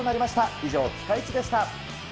以上、ピカイチでした。